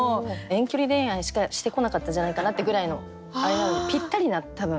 遠距離恋愛しかしてこなかったんじゃないかなってぐらいのあれなのでぴったりな多分。